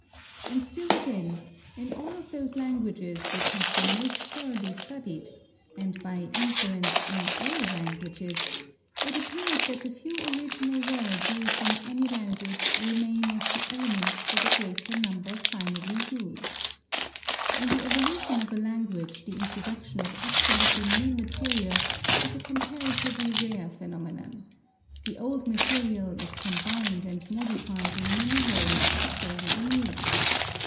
And still again, in all of those languages which have been most thoroughly studied, and by inference in all languages, it appears that the few original words used in any language remain as the elements for the greater number finally used. In the evolution of a language the introduction of absolutely new material is a comparatively rare phenomenon. The old material is combined and modified in many ways to form the new.